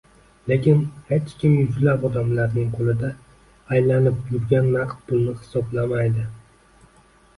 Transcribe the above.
Lekin hech kim yuzlab odamlarning qo'lida aylanib yurgan naqd pulni hisoblamaydi